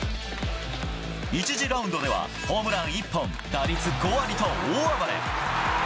１次ラウンドでは、ホームラン１本、打率５割と大暴れ。